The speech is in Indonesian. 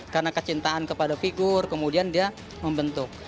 karena kecintaan kepada figur kemudian dia membentuk